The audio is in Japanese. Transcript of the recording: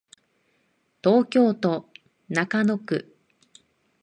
東京都中野区